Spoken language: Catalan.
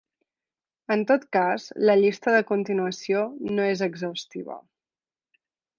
En tot cas, la llista de continuació no és exhaustiva.